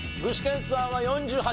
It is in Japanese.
具志堅さんは４８？